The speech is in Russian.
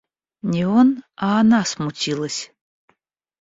Не он, а она смутилась.